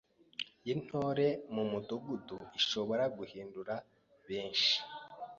y’Intore mu Mudugudu ishobora guhindura benshi